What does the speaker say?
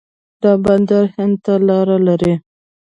دا بندر هند ته لاره لري.